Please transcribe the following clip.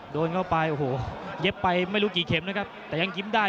โดนเข้าไปโอ้โหเย็บไปไม่รู้กี่เข็มนะครับแต่ยังยิ้มได้